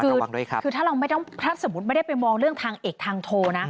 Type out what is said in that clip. คือถ้าเราไม่ต้องถ้าสมมุติไม่ได้ไปมองเรื่องทางเอกทางโทนะ